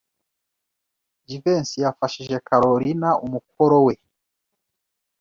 Jivency yafashije Kalorina umukoro we.